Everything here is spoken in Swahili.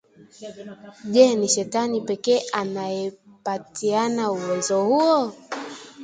Je ni shetani pekee anayepatiana uwezo huo?